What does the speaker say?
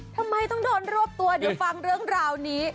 ทำไมต้องโดนรวบตัวเดี๋ยวฟังเรื่องราวนี้